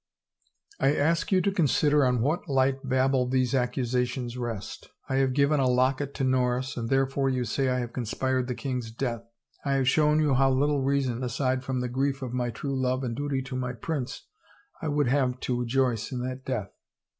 ... I ask you to consider on what light babble these accusations rest! I have given a locket to Norris, and therefore, you say, I have conspired the king's death — I have shown you how little reason, aside from the grief of my true love and duty to my prince, I would have to rejoice in that death!